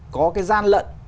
có cái gian lận